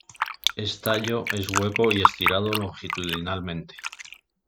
Es tallo es hueco y estriado longitudinalmente.